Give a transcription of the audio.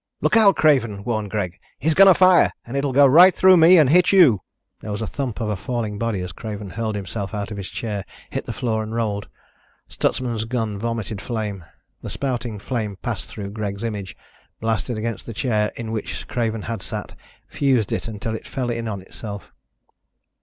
"Look out, Craven," warned Greg. "He's going to fire and it will go right through me and hit you." There was the thump of a falling body as Craven hurled himself out of his chair, hit the floor and rolled. Stutsman's gun vomited flame. The spouting flame passed through Greg's image, blasted against the chair in which Craven had sat, fused it until it fell in on itself.